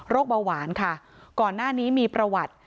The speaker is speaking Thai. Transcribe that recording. เบาหวานค่ะก่อนหน้านี้มีประวัติ